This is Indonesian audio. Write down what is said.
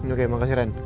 oke makasih ren